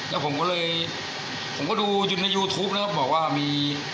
แล้วผมก็เลยผมก็ดูอยู่ในยูทูปนะครับบอกว่ามี